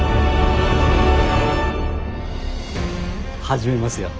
始めますよ。